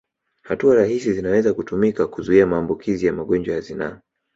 Hatua rahisi zinaweza kutumika kuzuia maambukizi ya magonjwa ya zinaa